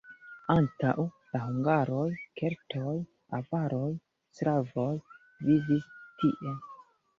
Antaŭ la hungaroj keltoj, avaroj, slavoj vivis tie.